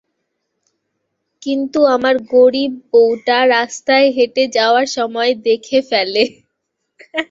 কিন্তু আমার গরীব বউটা রাস্তায় হেটে যাওয়ার সময় দেখে ফেলে।